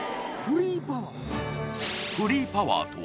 ・フリーパワー？